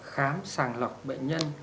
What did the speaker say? khám sàng lọc bệnh nhân